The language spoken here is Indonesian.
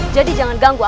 jadi jangan ganggu aku